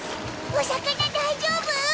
お魚大丈夫？